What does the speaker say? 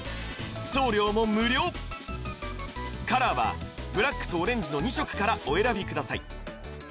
送料も無料カラーはブラックとオレンジの２色からお選びください